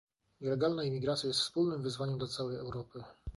"nielegalna imigracja jest wspólnym wyzwaniem dla całej Europy"